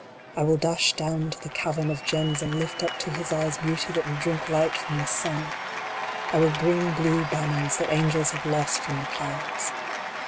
I will dash down to the cavern of gems and lift up to his eyes Beauty that will drink light from the Sun ! I will bring blue banners that angels have lost from the clouds.